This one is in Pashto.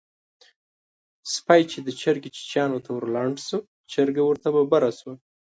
سپی چې د چرګې چیچيانو ته ورلنډ شو؛ چرګه ورته ببره شوه.